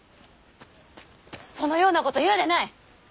そのようなこと言うでない！